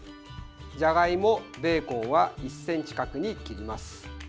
じゃがいも、ベーコンは１ｃｍ角に切ります。